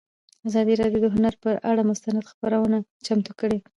ازادي راډیو د هنر پر اړه مستند خپرونه چمتو کړې.